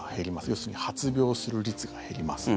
要するに発病する率が減ります。